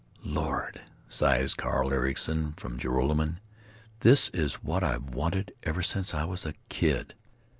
"Lord!" sighs Carl Ericson from Joralemon, "this is what I've wanted ever since I was a kid."